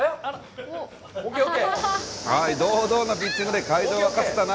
堂々のピッチングで会場を沸かせたな。